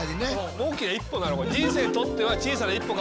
大きな一歩なの。